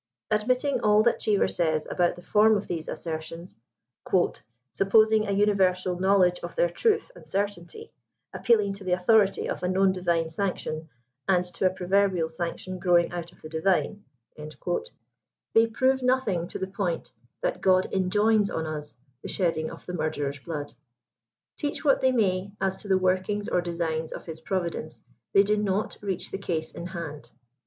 Admitting all that Cheever says about the form of these assertions, " supposing a universal knowledge of their truth and certainty ; appealing to the authority of a known divine sanc tion, and to a proverbial sanction growing out of the divine," 143 they prore nothing to the point, that God er^ains on us the shedding of the murderer's blood. Teach what they may as to the workings or designs of His Provideilde, they do not reach the case in hand.